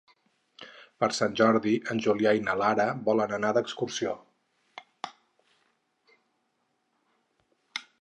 Per Sant Jordi en Julià i na Lara volen anar d'excursió.